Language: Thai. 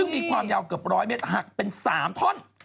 ซึ่งมีความยาวเกือบ๑๐๐เมตรหักเป็น๓ท่อน